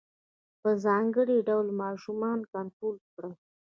په ځانګړي ډول ماشومان کنترول کړي.